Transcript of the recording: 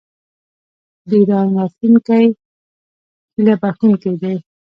د ایران راتلونکی هیله بښونکی دی.